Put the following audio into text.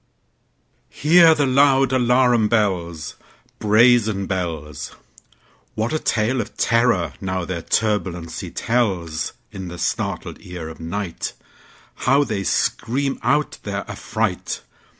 Hear the loud alarum bells, Brazen bells! What a tale of terror, now, their turbulency tells! In the startled ear of nightHow they scream out their affright!